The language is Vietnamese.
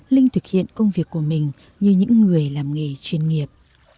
linh thực hiện công việc của mình như những người làm nghề chuyên nghiệp